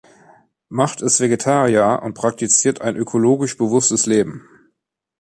Macht ist Vegetarier und praktiziert ein ökologisch-bewusstes Leben.